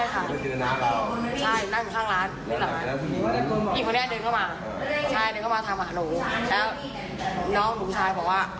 อีกคนเนี่ยเดินเข้ามาใช่เดินเข้ามาถามหาหนูแล้วน้องหนูชายพอว่า